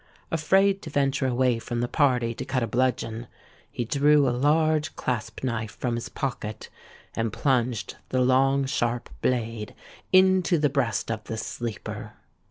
Afraid to venture away from the party to cut a bludgeon, he drew a large clasp knife from his pocket, and plunged the long sharp blade into the breast of the sleeper.